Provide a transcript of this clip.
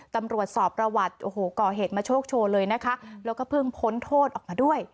ตำรวจสอบประวัติโอ้โหก่อเหตุมาโชคโชว์เลยนะคะแล้วก็เพิ่งพ้นโทษออกมาด้วย